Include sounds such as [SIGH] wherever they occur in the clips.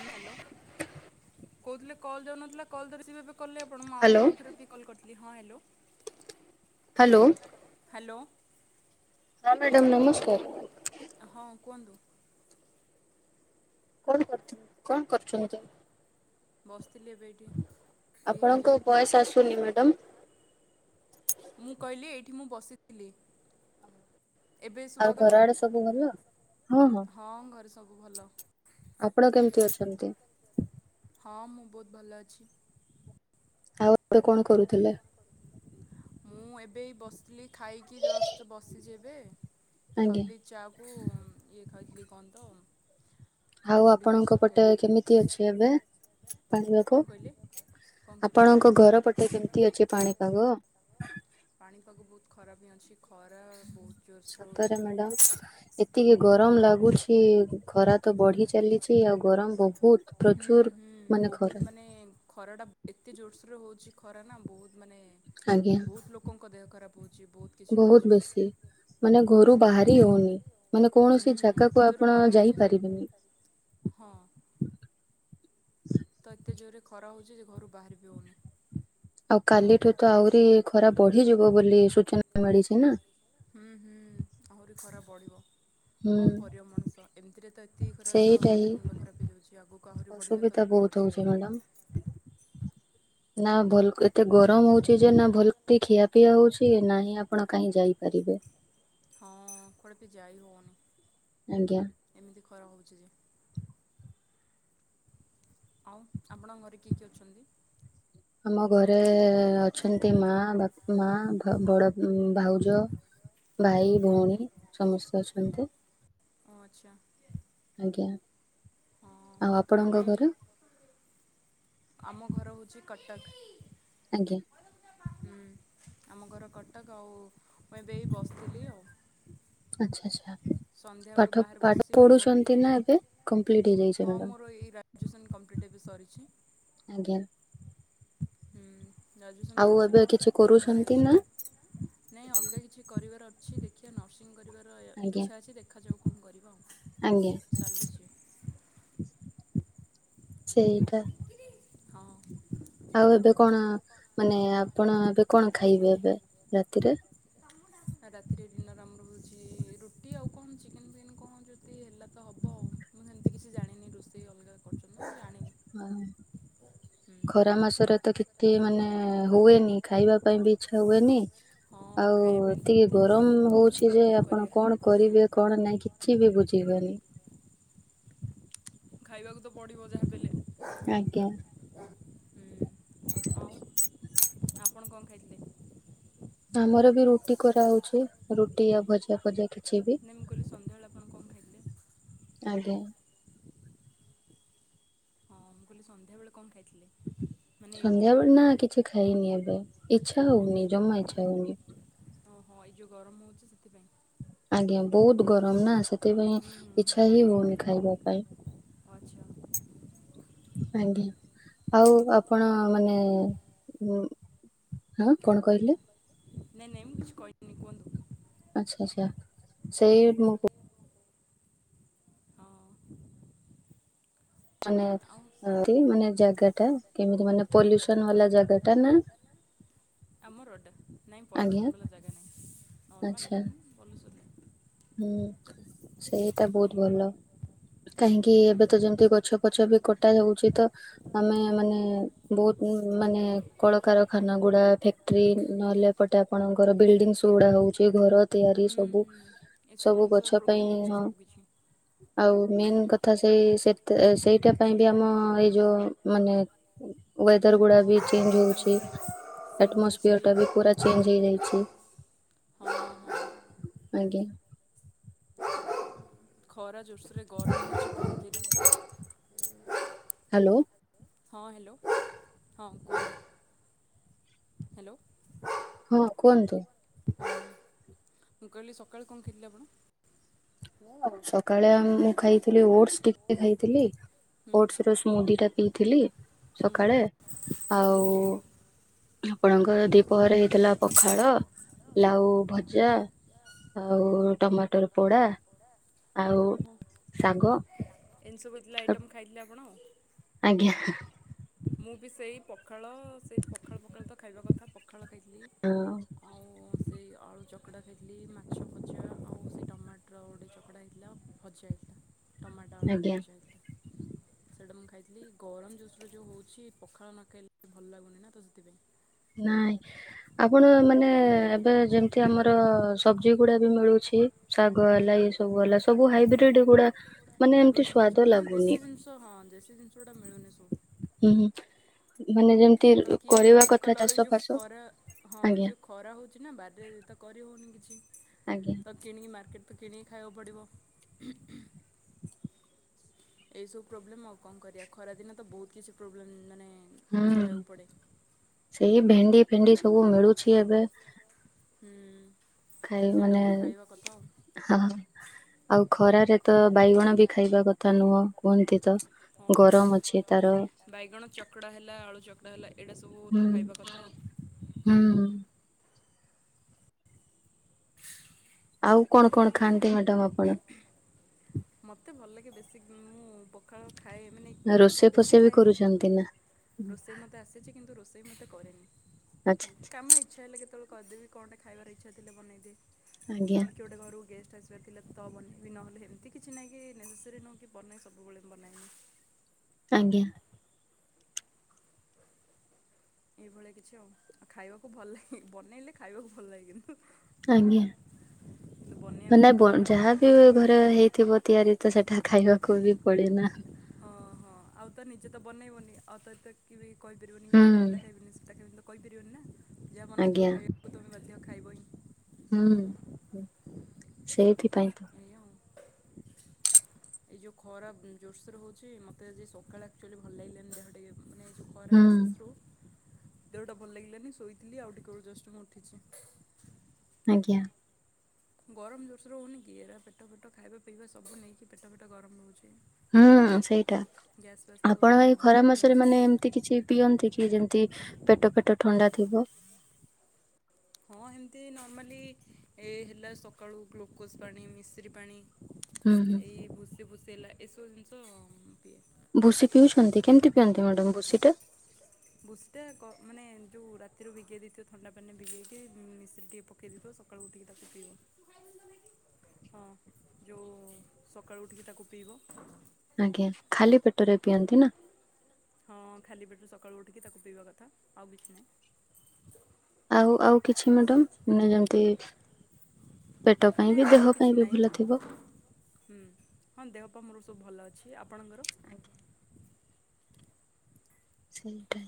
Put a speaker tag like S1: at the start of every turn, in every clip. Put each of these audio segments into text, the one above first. S1: ହୁଁ ହ୍ୟାଲୋ କହୁଥିଲେ କଲ୍ ଯାଉନଥିଲା କଲ୍ ତ [UNINTELLIGIBLE] କଲେ ଆପଣ ମୁଁ
S2: ହ୍ୟାଲୋ
S1: ଆଗରୁ ଆଉଥରେ ବି କଲ୍ କରିଥିଲି ହଁ ହ୍ୟାଲୋ
S2: ହ୍ୟାଲୋ
S1: ହ୍ୟାଲୋ
S2: ହଁ ମ୍ୟାଡ଼ାମ ନମସ୍କାର
S1: ହଁ କୁହନ୍ତୁ
S2: କଣ କରୁ କଣ କରୁଛନ୍ତି
S1: ବସିଥିଲି ଏବେ ଏଇଠି
S2: ଆପଣଙ୍କ
S1: ଏଇ
S2: ଭଏସ ଆସୁନି ମ୍ୟାଡାମ
S1: ମୁଁ କହିଲି ଏଇଠି ମୁଁ ବସିଥିଲି। ଏବେ
S2: ଆଉ
S1: ଶୁବା
S2: ଘର
S1: ଗଲା
S2: ଆଡେ ସବୁ ଭଲ?
S1: ହଁ ଘରେ ସବୁ ଭଲ।
S2: ଆପଣ କେମିତି ଅଛନ୍ତି?
S1: ହଁ ମୁଁ ବହୁତ ଭଲ ଅଛି।
S2: ଆଉ ଏବେ କଣ କରୁଥିଲେ?
S1: ମୁଁ ଏବେ ଏଇ ବସ୍‌ [UNINTELLIGIBLE] ଖାଇକି ଜଷ୍ଟ୍‌ ବସିଚି ଏବେ
S2: ଆଜ୍ଞା
S1: [UNINTELLIGIBLE] ଚା କୁ ଇଏ ଖାଇଥିଲି କନ୍‌ ତ
S2: ଆଉ
S1: ମୁଢ଼ି
S2: ଆପଣଙ୍କ
S1: ମିକ୍ସଚର୍
S2: ପଟେ
S1: ଖାଇଥିଲି
S2: କେମିତି ଅଛି ଏବେ?
S1: କଣ
S2: ପାଣିପାଗ?
S1: କହିଲେ କଣ କହିଲେ
S2: ଆପଣଙ୍କ ଘର ପଟେ କେମ୍‌ତି ଅଛି ପାଣିପାଗ?
S1: ପାଣିପାଗ ବହୁତ୍‌ ଖରାପ ହିଁ ଅଛି ଖରା ବହୁତ୍‌ ଜୋର୍‌ [UNINTELLIGIBLE] ହଉଚି।
S2: [UNINTELLIGIBLE] [UNINTELLIGIBLE] ଗରମ୍‌ ଲାଗୁଛି ଖରା ତ ବଢି ଚାଲି ଚି ଆଉ ଗରମ୍‌ ବହୁତ ପ୍ରଚୁର୍‌ ମାନେ ଖରା।
S1: ଖରା ଟା ଏତେ ଜୋର୍‌ ଶ୍ରୋ ରେ ହଉଛି ଖରା ନା ବହୁତ ମାନେ
S2: ଆଜ୍ଞା
S1: ବହୁତ୍‌ ଲୋକଙ୍କ ଦେହ ଖରାପ ହଉଛି ବହୁତ୍‌ କିଛି
S2: ବହୁତ
S1: ହଉଛି।
S2: ବେଶୀ। ମାନେ ଘରୁ
S1: ହୁଁ।
S2: ବାହାରି ହଉନି ମାନେ କୌଣସି
S1: ହୁଁ
S2: ଜାଗାକୁ
S1: ଏତେ ଜୋରେ
S2: ଆପଣ
S1: ଖରା ହଉଛି ଯେ
S2: ଯାଇପାରିବେନି।
S1: ହଁ। ତ ଏତେ ଜୋରେ ଖରା ହଉଚି ଯେ ଘରୁ ବାହାର ବିି ହେଉନି।
S2: ଆଉ କାଲିଠୁ ତ ଆହୁରି ଖରା ବଢିଯିବ ବୋଲି ସୂଚନା ମିଳିଛି ନା।
S1: ହୁଁ ହୁଁ ଆହୁରି ଖରା ବଢିବ। କଁ
S2: ହୁଁ।
S1: ‌କରିବ ମଣିଷ ଏମ୍‌ତିରେ ତ ଏତିକି ଖରା ତ
S2: ସେଇଟା ହିଁ
S1: ମଣିଷ ମୁଣ୍ଡ ଖରାପ ହେଇଯାଉଚି ଆଗକୁ ଆହୁରି ବଢିଲେ ତ
S2: ଅସୁବିଧା
S1: ଲୋ କ
S2: ବହୁତ
S1: ମର୍‌ଯିବେ
S2: ହଉଛି
S1: [INAUDIBLE]
S2: ମ୍ୟାଡାମ। ନା ଭଲ୍‌ ଏତେ ଗରମ ହଉ ଯେ ନା ଭଲ୍‌ କି ଖିଆ ପିଆ ହଉଛି ନାହିଁ ଆପଣ କାହିଁ ଯାଇପାରିବେ।
S1: ହଁ କୁଆଡେ ପି ଯାଇ ହଉନି।
S2: ଆଜ୍ଞା।
S1: ଏମିତି ଖରା ହଉଛି ଯେ। ଆଉ ଆପଣଙ୍କ ଘରେ କିଏ କିଏ ଅଛନ୍ତି?
S2: ଆମ ଘରେ ଅଛନ୍ତି ମା, ବାପ୍‌, ମା ବଡ ଭାଉଜ ଭାଇ ଭଉଣୀ ସମସ୍ତେ ଅଛନ୍ତି।
S1: ଓ ଆଚ୍ଛା।
S2: ଆଜ୍ଞା।
S1: ହଁ
S2: ଆଉ
S1: ମୁଁ
S2: ଆପଣଙ୍କ
S1: ଏଇ
S2: ଘରେ?
S1: ଆମ ଘର ହଉଚି କଟକ୍।
S2: ଆଜ୍ଞା।
S1: ହୁଁ ଆମ ଘର କଟକ୍ ଆଉ ମୁଁ ଏବେ ଏଇ ବସ୍‌ଥିଲି ଆଉ।
S2: ଆଚ୍ଛା ଆଚ୍ଛା
S1: ସନ୍ଧ୍ୟାବେଳୁ
S2: ପାଠ
S1: ବାହାରେ
S2: ପାଠ
S1: ବସିଛି ପବନ ଟିକେ
S2: ପଢୁଛନ୍ତି
S1: ଦେଉଛି
S2: ନା ଏବେ କମ୍ପ୍ଲିଟ ହେଇଯାଇଛି
S1: ହଁ
S2: ମାଡମ୍?
S1: ମୋର ଏଇ ଗ୍ରାଜୁଏସନ୍ କମ୍ପ୍ଲିଟ୍ ଏବେ ସରିଛି।
S2: ଆଜ୍ଞା।
S1: ହୁଁ। ଗ୍ରାଜୁଏସନ୍
S2: ଆଉ
S1: ସରିଛି
S2: ଏବେ କିଛି
S1: ବର୍ଷ୍‌ ଘରେ
S2: କରୁଛନ୍ତି
S1: ଅଛି
S2: ନା
S1: ଏବେ। ନାଇଁ ଅଲଗା କିଛି କରିବାର ଅଛି ଦେଖିବା ନର୍ସିଂ କରିବାର ର
S2: ଆଜ୍ଞା
S1: ଇଚ୍ଛା ଅଛି ଦେଖାଯାଉ କଁ କରିବା
S2: ଆଜ୍ଞା
S1: ଆଉ ଚାଲିଛି।
S2: ସେଇଟା।
S1: ହଁ।
S2: ଆଉ ଏବେ କଣ ମାନେ ଆପଣ ଏବେ କଣ ଖାଇବେ ଏବେ ରାତିରେ?
S1: ରାତିରେ ଡିନର୍ ଆମର ହଉଛି ରୁଟି ଆଉ କନ୍‌ ଚିକେନ୍‌ ଫିକେନ୍ କଣ ଯଦି ହେଲା ତ ହେବ ଆଉ। ମୁଁ ସେମ୍‌ତି କିଛି ଜାଣିନି ରୋଷେଇ ଅଲଗା କରୁଛନ୍ତି ମୁଁ ଜାଣି
S2: ହଁ। ଖରା ମାସରେ ତ [UNINTELLIGIBLE] ମାନେ ହୁଏନି ଖାଇବା ପାଇଁ ବି ଇଚ୍ଛା ହୁଏନି।
S1: ହଁ
S2: ଆଉ
S1: ଖାଇବା ପାଇଁ ତ
S2: ଏତିକି
S1: ଏତେ ଇଚ୍ଛା
S2: ଗରମ୍‌
S1: ହେଉନି
S2: ହଉଛି
S1: କିନ୍ତୁ
S2: ଯେ
S1: କଣ
S2: ଆପଣ
S1: କରିବା
S2: କଣ କରିବେ ଖଣ ନାଇଁ କିଛି ବି ବୁଝିବେନି।
S1: ଖାଇବାକୁ ତ ପଡିବ ଯାହା ହେଲେ
S2: ଆଜ୍ଞା
S1: [UNINTELLIGIBLE] ହୁଁ। ଆଉ ଆପଣ କଣ ଖାଇଥି?
S2: ଆମର ବି ରୁଟି କରାହଉଛି ରୁଟି ଆ ଭଜା ପଜା କିଛି। ବି
S1: ନାଇଁ ମୁଁ କହିଲି ସନ୍ଧ୍ୟାବେଳେ ଆପଣ କଣ ଖାଇଥିଲେ?
S2: ଆଜ୍ଞା।
S1: ହଁ ମୁଁ କଇଲି ସନ୍ଧ୍ୟାବେଳେ କମ୍ ଖାଇ
S2: ସନ୍ଧ୍ୟା ବେଳେ ନା କିଛି ଖାଇନି ଏବେ ଇଚ୍ଛା ହଉନି ଜମା ଇଚ୍ଛା ହଉନି।
S1: ଓହଁ ଏଇ ଯୋଉ ଗରମ ହଉଛି ସେଥିପାଇଁ।
S2: ଆଜ୍ଞା ବଉତୁ ଗରମ୍ ନାଁ ସେଥିପାଇଁ
S1: ହୁଁ ହୁଁ
S2: ଇଚ୍ଛା ହି ହଉନି ଖାଇବା ପାଇଁ।
S1: ଅଚ୍ଛା।
S2: ଆଜ୍ଞା ଆଉ ଆପଣ ମାନେ ହୁଁ ହଁ କଣ କହିଲେ?
S1: ନାଇଁ ନାଇଁ ମୁଁ କିଛି କହିନି କୁହନ୍ତୁ।
S2: ଆଚ୍ଛା ସ୍ୟା ସେଇ ମୁଁ କୁ
S1: ହଁ।
S2: ମାନେ
S1: ଆଉ
S2: ଏଁ ତି ମାନେ ଜାଗା ଟା କେମିତି ମାନେ ପଲ୍ୟୁସନ୍ ବାଲା ଜାଗା ଟା ନା।
S1: ଆମ ରୋଡ଼୍ଟା ନାଇଁ
S2: ଆଜ୍ଞା
S1: ପଲ୍ୟୁସନ୍ ବାଲା ଜାଗା ନାହିଁ ନର୍ମାଲି
S2: ଆଚ୍ଛା
S1: ହିଁ ପଲ୍ୟୁସନ୍ ନାଁ।
S2: ହୁଁ ଛେଇଟା ବୋଉତ୍ ଭଲ। କାହିଁକି ଏବେ ତ ଯେମିତି ଗଛ କଛ ବି କଟା ଯାଉଛି ତ। ଆମେ ମାନେ ବୋହୁତ୍ ଉଁ ମାନେ କଳକାରଖାନା ଗୁଡ଼ା ଫେକ୍ ଟ୍ରିନ୍ ନହେଲେ ଏପଟେ ଆପଣଙ୍କର ବିଲ୍ଡିଙ୍ଗ୍ ସୋ ଗୁଡା ହଉଛି ଘର
S1: ହୁଁ
S2: ତିଆରି
S1: ହୁଁ
S2: ସବୁ।
S1: ହୁଁ ଏସବୁ
S2: ସବୁ
S1: ଜିନିଷ
S2: ଗଛ ପାଇଁ
S1: ପ୍ରୋବ୍ଲେମ୍ ହେଉଛି
S2: ହଁ।
S1: ସବୁ କିିଛି
S2: ଆଉ ମେନ୍ କଥା ସେଇ ସେଥେଏ ସେଇଟା ପାଇଁ ବି ଆମ ଏଇ ଯୋଉ ମାନେ ୱେଦର୍ ଗୁଡା ବି
S1: ହଁ
S2: ଚେଞ୍ଜ୍ ହଉଛି
S1: ସେମିତି ସେମିତି କିଛି
S2: ଆଟ୍ମସ୍ପିୟର ଟା ବି ପୁରାଚ୍ ଚେଞ୍ଜେ ହେଇଯାଇଛି
S1: ହଁ ହଁ
S2: ଆଜ୍ଞା।
S1: ଖରା ଜୋରସରେ ଗରମ [UNINTELLIGIBLE] ହେଉଛି ଧରେ
S2: ହ୍ୟାଲୋ
S1: ହଁ ହ୍ୟାଲୋ ହଁ [UNINTELLIGIBLE] ହ୍ୟାଲୋ।
S2: ହଁ କୁହନ୍ତୁହ।
S1: [UNINTELLIGIBLE] ମୁଁ କହିଲି ସକାଲୁ କଣ ଖାଇଥିଲେ ଆପଣ?
S2: ସକାଳେ ଆମ୍ ମୁଁ ଖାଇଥିଲି ଓଟସ୍ ଟିକେ ଖାଇଥିଲି। ଓଟ୍ସ୍
S1: ହୁଁ
S2: ରସ୍ ମୁନ୍ଦିକା ପିଇଥିଲି ସଖାଳେ ଆଉ
S1: ହୁଁ
S2: ଆପଣଙ୍କର ଦିପହରେ ହେଇଥେଲା ପଖାଳ ଲାଉ ଭଜା। ଆଉ ଟମାଟର ପୋଡା। ଆଉ ଶାଗ।
S1: ଏନ୍ ସବୁ ହେଇଥିଲା ଆଇଟମ୍ ଖାଇଥିଲେ ଆପଣ?
S2: [UNINTELLIGIBLE]
S1: ମୁଁ ବି ସେଇ ପଖାଳ ସେଇ ପଖାଳ ଫଖାଳ ତ ଖାଇବା କଥା। ପଖାଳ ଖାଇଥିଲି
S2: ହଁ
S1: ଅଁଉ ସେଇ ଅଳୁ ଚକ୍ କଡା ଖାଇଥିଲି ମାଛ ଭଜା ଆଉ ସେଇ ଟମାଟ୍ର ଗୋଟେ ଚକଡା ହେଇଥିଲା ଭଜା ହେଇଥିଲା। ଟମ [UNINTELLIGIBLE]
S2: ଆଜ୍ଞା
S1: ସେଇଟା ମୁଁ ଖାଇଥିଲି ଗଳମ୍ ଜୋରସ୍ରେ ଯୋଉ ହୋଉଛି ପଖାଳ ନ ଖାଇଲେ ଭଲ ଲାଗୁନି ନା ତ ସେଥିପାଇଁ।
S2: ନାଇଁ। ଆପଣ ମାନେ ଏବେ ଯେମ୍ଥି ଆମର ସବ୍ଜି ଗୁଡ଼ା ବି ମିଳୁଛି। ଶାଗ
S1: ହୁଁ
S2: ହେଲା ଏସବୁ ଅଲା ସବୁ ହାଇବ୍ରିଡ୍ ଗୁଡା ମାନେ ଏମ୍ତି ସ୍ୱାଦ ଲାଗୁନି।
S1: ତ ହଁ ଜେଶୀ ଜିନିଷଟା ମିଳୁନି ସବୁ।
S2: ହୁଁ ହୁଁ ମାନେ ଯେମ୍ ତି
S1: ତ କିଏ
S2: କରିବା
S1: ବାରିରେ
S2: କଥା
S1: କଲାବେଳେ
S2: ଚାଷ
S1: ଯେଉଁ
S2: ଫାସ
S1: ଖରା ହଁ
S2: ଆଜ୍ଞା
S1: ଯେଉଁ ଖରା ହଉଚି ନା ବାର୍ ରେ ତ କରିହଉନି କିଛି।
S2: ଆଜ୍ଞା।
S1: ତ କିଣିକି ମାର୍କେଟ୍ ତ କିଣିକି ଖାଇୟାକୁ ପଡ଼ିବ। ଏଇସବୁ ପ୍ରୋବ୍ଲେମ୍ ଆଉ କଁ କରିଆ ଖରାଦିନ ତ ବହୁତ୍ କିଛି ପ୍ରୋବ୍ଲେମ୍ ମାନେ
S2: ହୁଁ
S1: ସହିବାକୁ ପଡ଼େ।
S2: ସେଇ ଭେଣ୍ଡି ଫେଣ୍ଡି ସବୁ ମିଳୁଛି ଏବେ
S1: ହୁଁ।
S2: ଖାଇବି ମାନେ
S1: ସେଇଟାକୁ ଖାଇବା କଥା ଆଉ।
S2: ହଁ ଆଉ ଖରାରେ ତ ବାଇଗଣ ବି ଖାଇବା କଥା ନୁହଁ କୁହନ୍ତି ତ
S1: ବହୁତ
S2: ଗରମ
S1: ଦେହ
S2: ଅଛି ତାର
S1: ବାଇଗଣ ଚକଡ଼ା ହେଲା ଆଳୁ ଚକଡ଼ା ହେଲା ଏଇଟା ସବୁ
S2: ହୁଁ
S1: ତ ଖାଇବା କଥା।
S2: ହୁଁ। ଆଉ କଣ
S1: ନହେଲେ ଭଲ
S2: କଣ
S1: ଲାଗୁନି
S2: ଖାଆନ୍ତି
S1: ନା।
S2: ମ୍ୟାଡ଼ାମ୍ ଆପଣ?
S1: ମୋତେ ଭଲ୍ ଲାଗେ ବେଶୀ ମୁଁ ପଖାଳ ଖାଏ ମାନେ
S2: ରୋଷେଇ
S1: ବେଶୀ
S2: ଫୋଷେଇ ବି
S1: ଖାଏନି
S2: କରୁଛନ୍ତି ନା?
S1: ରୋଷେଇ ମତେ ଆସିଚି କିନ୍ତୁ ରୋଷେଇ ମୁଁ ଏତେ କରେନି
S2: ଆଚ୍ଛା
S1: କାମ ଇଚ୍ଛା ହେଲେ କେତବେଳେ କରିଦେବି କଣଟା ଖାଇବା ର ଇଚ୍ଛା ଥିଲେ ବନେଇଦିଏ
S2: ଆଚ୍ଛା, ଆଜ୍ଞା
S1: ନଅଲେ କିଏ ଗୋଟେ ଘରକୁ ଗେଷ୍ଟ୍ ଆସିବାର ଥିଲା ତ ହବନି ନହଲେ ହେମ୍ ତି କି ଛି ନାଇଁ କି ନେସେସେରି ନୁହଁ କି ବନାଏ ସବୁବେଳେ ବନାଏ ମୁଁ।
S2: ଆଜ୍ଞା।
S1: ଏଇଭଳିଆ କିଛି ଆଉ ଆଉ ଖାଇବାକୁ ଭଲ୍ ଲାଗେ ବନେଇଲେ ଖାଇବାକୁ ଭଲ୍ ଲାଗେନି ତ।
S2: ଆଜ୍ଞା ମାନେ
S1: ବହୁତ
S2: ବ
S1: କଷ୍ଟ ଆଉ।
S2: ଯାହାବି ଘରେ ହେଇଥିବ ତିଆରି ତ ସେଠା ଖାଇବାକୁ ବି ପଡେ ନା।
S1: ହଁ ହଁ ଆଉ ତ ନିଜେ ତ ବନେଇବନି ଆଉ ତ ଏତେ କି ବି କହିପାରିବନି କି
S2: ହୁଁ
S1: ନାଇଁ ମୁଁ ଏଟା ଖାଇବିନି ସେଟା ଖାଇବିନି ତ କହିପାରିବନି ନା ଯାହା ବନା ଯିବ
S2: ଆଜ୍ଞା
S1: ଖାଇବାକୁ ତୁମେ ବାଧ୍ୟ ଖାଇବ ହିଁ।
S2: ହୁଁ ସେଇଥିପାଇଁ ତ।
S1: [INAUDIBLE] ଏ ଯୋଉ ଖରା ଜୋର୍ ସୋର୍ ହଉଚି ମୋତେ ଆଜି ସକାଳେ ଆକ୍ଚୁଆଲି ଭଲ୍ ଲାଗିଲାନି ଦେହ ଟିକେ। ମାନେ ଏ ଯୋଉ ଖରା
S2: ହୁଁ
S1: ଏକ୍ ସେସ୍ ରୁ ଦେହଟା ଭଲ୍ ଲାଗିଲାନି ଶୋଇଥିଲି ଆଉ ଟିକେ ବେଳୁ ଜଷ୍ଟ୍ ମୁଁ ଉଠିଛି।
S2: ଆଜ୍ଞା।
S1: ଗରମ ଜୋର୍ ସୋର୍ ର ହଉନି କି ଏରା ପେଟ ଫେଟ ଖାଇବା ପିଇବା ସବୁ ନେଇକି ପେଟ ଫେଟ ଗରମ ରହୁଛି।
S2: ହୁଁ ସେଇଟା
S1: ଗ୍ୟାସ୍ ଫ୍ୟାସ୍
S2: ଆପଣ ଭାଇ ଖରା
S1: ପ୍ରୋବ୍ଲେମ୍
S2: ମାସରେ
S1: ସବୁ
S2: ମାନେ ଏମିତି କିଛି ପିଅନ୍ତି କି ଯେମ୍ ତି ପେଟ ଫେଟ ଠଣ୍ଡା ଥିବ?
S1: ହଁ ଏମ୍ ତି ନର୍ମାଲି ଏ ହେଲା ସକାଳୁ ଗ୍ଲୁକୋଜ୍ ପାଣି ମିଶ୍ରୀ ପାଣି
S2: ହୁଁ ହୁଁ।
S1: ଏଇ ଭୁସି ଭୁସି ହେଲା ଏସବୁ ଜିନିଷ ମୁଁ ପିଏ।
S2: ଭୁସି ପିଉଛନ୍ତି କେମ୍ ତି ପିଅନ୍ତି ମ୍ୟାଡ଼ାମ୍ ଭୁସି ଟା?
S1: ଭୁସି ଟା କ ମାନେ ଯୋଉ ରାତିରୁ ବିଗେଇ ଦେଇଥିବ ଥଣ୍ଡା ପାନି ଭିଜେଇକି ମିଶ୍ରି ଟିକେ ପକେଇଦେଇଥିବ ସକାଳୁ ଉଠିକି ତାକୁ ପିଇବ। ହଁ ଯୋଉ ସକାଳୁ ଉଠିକି ତାକୁ ପିଇବ।
S2: ଆଜ୍ଞା ଖାଲି ପେଟରେ ପିଅନ୍ତି ନା?
S1: ହଁ ଖାଲି ପେଟରେ ସକାଳୁ ଉଠିକି ତାକୁ ପିଇବା କଥା ଆଉ କିଛି ନାହିଁ।
S2: ଆଉ ଆଉ କିଛି ମ୍ୟାଡ଼ମ୍ ମାନେ ଯେମ୍ ତି ପେଟ ପାଇଁ
S1: ନାଇଁ
S2: ବି
S1: ଆଉ
S2: ଦେହ
S1: କିଛି
S2: ପାଇଁ ବି
S1: ନାହିଁ
S2: ଭଲ ଥିବ?
S1: ହୁଁ ହଁ ଦେହ ପା ମୋର ସବୁ ଭଲ ଅଛି ଆପଣଙ୍କର?
S2: ସେଇଟା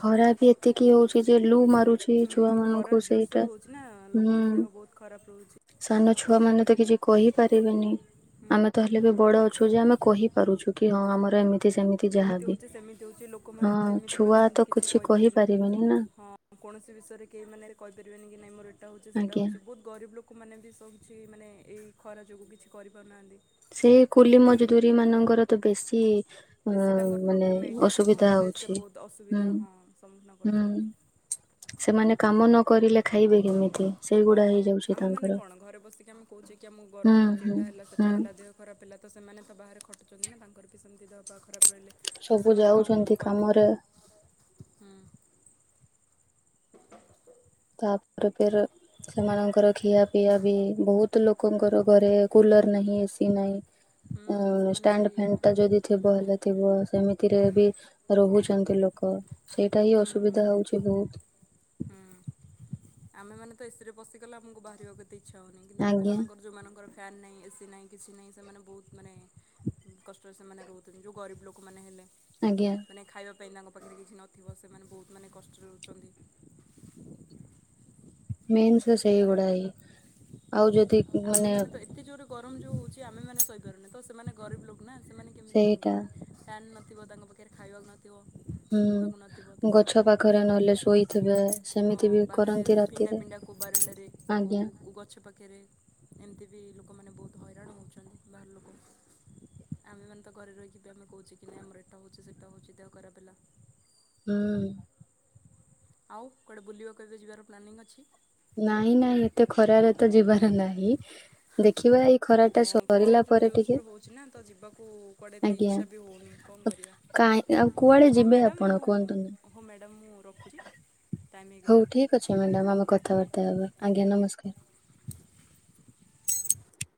S2: ଖରା ବି ଏତିକି ହଉଛି ଯେ ଲୁ ମ ଛି
S1: ହୁଁ
S2: ଛୁଆ
S1: ଖରା
S2: ମାନଙ୍କୁ
S1: ଜୋରସୋର
S2: ସେଇଟା
S1: ହେଉଛି ନା ଲୋକଙ୍କ ଦେହ
S2: ହୁଁ।
S1: ବହୁତ ଖରାପ ରହୁଛି
S2: ସାନ
S1: ତ
S2: ଛୁଆ
S1: କ'ଣ
S2: ମାନେ ତ
S1: କରିବା
S2: କିଛି କହିପାରିବେନି
S1: ହୁଁ
S2: ଆମେ ତ
S1: ହୁଁ
S2: ହଲେ ବି ବଡ ଅଛୁ ଯେ ଆମେ କହିପାରୁଛୁ କି ହଁ ଆମର ଏମି ତି ସେମିତି
S1: ଏମିତି
S2: ଯାହାବ
S1: ହେଉଛି ସେମିତି ହେଉଛି ଲୋକମାନେ
S2: ହଁ
S1: ତ ଏମିତି ବି
S2: ଛୁଆ
S1: ଅଛନ୍ତି
S2: ତ କିଛି କହିପାରିବେନି ନା।
S1: ହଁ କୌଣସି ବିଷୟରେ କେହି ମାନେ କହିପାରିବେନି ନାଇଁ ମୋର ଏଇଟା ହଉଛି ସେଇଟା
S2: ଆଜ୍ଞା
S1: ହଉଛି ବହୁତ ଗରିବ ଲୋକମାନେ ବି ସହୁଛି ମାନେ ଏଇ ଖରା ଯୋଗୁଁ କିଛି କରିପାରୁନାହାନ୍ତି।
S2: ସେ କୁଲି ମଜଦୁରୀ ମାନଙ୍କର ତ ବେଶୀ ଅ
S1: ବେଶୀ ତାଙ୍କର
S2: ମାନେ
S1: ପ୍ରୋବ୍ଲେମ୍ ଏଇଟା କି
S2: ଅସୁବିଧା
S1: ଖରାରେ ସେ
S2: ହଉଛି
S1: ବହୁତ
S2: ହୁଁ
S1: ଅସୁବିଧା ହଁ ସମ୍ମୁଖୀନ
S2: ହୁଁ।
S1: କରୁଛନ୍ତି।
S2: ସେମାନେ କାମ ନକରିଲେ ଖାଇବେ କେମିତି ସେଇଗୁଡା ହେଇଯାଉଛି ତା
S1: ମାନେ କଣ ଘରେ ବସିକି ଆମେ କହୁଛେ କି ଆମକୁ
S2: ହୁଁ
S1: ଗରମ ହଉଛି
S2: ହୁଁ
S1: ଏଟା ହେଲା ସେଟା
S2: ହୁଁ
S1: ହେଲା ଦେହ ଖରାପ ହେଲା ତ ସେମାନେ ତ ବାହାରେ ଖଟୁଛନ୍ତି ନା ତାଙ୍କର ବି ସେମିତି ଦେହ ପା ଖରାପ ରହିଲେ। ତ
S2: ସବୁ
S1: ସେମାନେ କହାକୁ
S2: ଯାଉଛନ୍ତି
S1: କିଛି
S2: କାମରେ
S1: କହିପାରିବେନି ହୁଁ। [INAUDIBLE]
S2: ତାପରେ ଫେରେ ସେମାନଙ୍କର ଖିଆ ପିଆ ବି ବହୁତ ଲୋକଙ୍କର ଘରେ। କୁଲର ନାହିଁ ଏସି ନାହିଁ
S1: ହୁଁ
S2: ଆଁ
S1: ସେମାନେ
S2: ଷ୍ଟାଣ୍ଡ
S1: ସେଇ
S2: ଫ୍ୟାନ ଟା ଯଦି ଥିବ ହେଲେ। ଥିବ ସେମିତିରେ ବି ରହୁଛନ୍ତି ଲୋକ ସେଇଟା ହିଁ ଅସୁବିଧା ହଉଛି ବହୁତ।
S1: ହଁ। ଆମେମାନେେ ତ ଏସି ରେ ପଶିଗଲେ ଆମକୁ ବାହାରିବାକୁ ଏତେ ଇଚ୍ଛା ହଉନି କିନ୍ତ ଲୋକ
S2: ଆଜ୍ଞା
S1: ମାନଙ୍କର ଯୋଉ ମାନଙ୍କର ଫ୍ୟାନ୍ ନାହିଁ ଏସି ନାହିଁ କିଛି ନାହିଁ ସେମାନେ ବହୁତ ମାନେ କଷ୍ଟରେ ସେମାନେ ରହୁଥିନି ଯେଉଁ ଗରିବ ଲୋକମାନେ ହେଲେ।
S2: ଆଜ୍ଞା।
S1: ମାନେ ଖାଇବା ପାଇଁ ତାଙ୍କ ପାଖରେ କିଛି ନଥିବ ସେମାନେ ବହୁତ ମାନେ କଷ୍ଟରେ ରହୁଚନ୍ତି।
S2: ମେନ୍ସ ସେଇଗୁଡା ହିଁ ଆଉ ଯଦି
S1: ଆମେ ମାନେ ତ ଏତେ ଜୋରେ ଗରମ ଯୋଉ ହଉଛି ଆମେ ମାନେ ତ ସହି ପାରୁନେ ତ ସେମାନେ ଗରିବ ଲୋକ। ନା ସେମାନେ କେମିତି କଣ
S2: ସେଇଟା
S1: କରିବେ ଫ୍ୟାନ୍ ନଥିବ ତାଙ୍କ ପାଖରେ ଖାଇବାକୁ ନ ଥିବ ପିନ୍ଧିବାକୁ ନଥିବ ତ
S2: ହୁଁ
S1: ସେମାନେ
S2: ଗଛ
S1: ବହୁତ
S2: ପାଖରେ ନହେଲେ ଶୋଇଥିବେ
S1: କଷ୍ଟ
S2: ସେମିତି
S1: ହଁ
S2: ବି
S1: ବାହାରେ
S2: କରନ୍ତି
S1: ପିଣ୍ଡା
S2: ରାତିରେ।
S1: ପିଣ୍ଡା କୋଉ ବାରଣ୍ଡାରେ
S2: ଆଜ୍ଞା
S1: କୋଉ ଗଛ ପାଖରେ। ଏମିତି ବି ଲୋକମାନେ ବହୁତ ହଇରାଣ ହଉଛନ୍ତି ବାହାର ଲୋକ। ଆମେ ମାନେ ତ ଘରେ ରହିକି [UNINTELLIGIBLE] କହୁଛି କି ନାଇ ଆମର ଏଟା ହଉଛି ସେଟା ହଉଛି ଦେହ ଖରାପ ହେଲା।
S2: ଉଁ।
S1: ଆଉ କୁଆଡ଼େ ବୁଲିବାକୁ ଏବେ ଯିବାର ପ୍ଲାନିଂ ଅଛି।
S2: ନାଇଁ ନାଇଁ ଏତେ ଖରାରେ ତ ଯିବାର ନାହିଁ ଦେଖିବା ଏଇ ଖରା ଟା
S1: ହଁ ଖରା
S2: ସରିଲା
S1: ଯେଉଁ
S2: ପରେ
S1: ଜୋର
S2: ଟିକେ
S1: ସୋର ରେ ହେଉଛି ନା ତ ଯିବାକୁ କୁଆଡ଼େ ଏତେ
S2: ଆଜ୍ଞା।
S1: ଇଚ୍ଛା ବି ହଉନି କଣ କରିବା।
S2: କାଇଁ ଆଉ କୁଆଡେ
S1: ହଁ
S2: ଯିବେ
S1: ମ୍ୟାଡ଼ାମ୍
S2: ଆପଣ
S1: ମୁଁ
S2: କୁହନ୍ତୁ ନା।
S1: ହଉ ମ୍ୟାଡ଼ାମ୍ ମୁଁ ରଖୁଚି।
S2: ହଉ ଠିକ୍ ଅଛି ମ୍ୟାଡମ ଆମେ କଥାବାର୍ତ୍ତା ହବା ଆଜ୍ଞା ନମସ୍କାର।